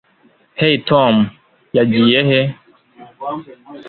hey, tom yagiye he